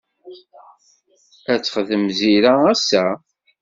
Ad texdem Zira ass-a?